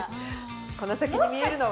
この先に見えるのは